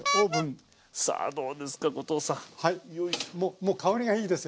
ももう香りがいいですよ